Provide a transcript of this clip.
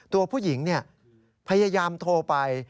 ตัวผู้หญิงพยายามโทรไป